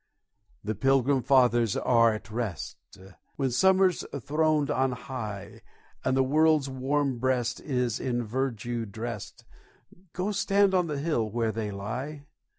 The Pilgrim Fathers are at rest: When summer's throned on high, And the world's warm breast is in verdure drest, Go, stand on the hill where they lie.